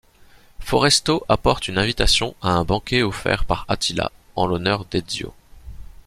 Foresto apporte une invitation à un banquet offert par Attila en l'honneur d'Ezio.